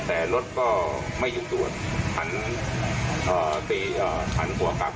แต่รถก็ไม่ยุดตรวจทันเอ่อตีเอ่อทันหัวกลับ